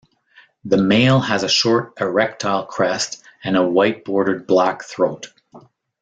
The male has a short erectile crest and a white-bordered black throat.